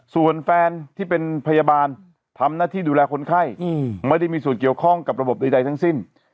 ส่วนแฟนที่เป็นพยาบาลทำหน้าที่ดูแลคนไข้ไม่ได้มีส่วนเกี่ยวข้องกับระบบใดทั้งสิ้น